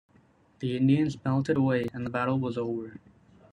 The Indians melted away and the battle was over.